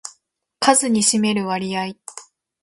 数に占める割合